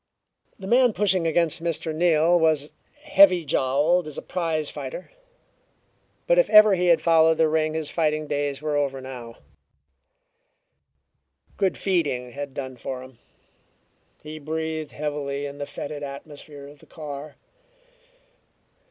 The man pushing against Mr. Neal was heavy jowled as a prize fighter, but if ever he had followed the ring his fighting days were over now. Good feeding had done for him; he breathed heavily in the fetid atmosphere of the car.